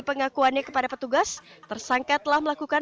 pengakuannya kepada petugas tersangka telah melakukan